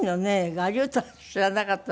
我流とは知らなかったですね。